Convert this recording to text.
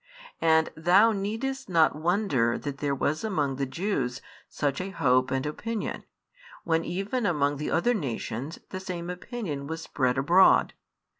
And thou needest not wonder that there was among the Jews such a hope and opinion, when even among the other nations the same opinion was spread abroad.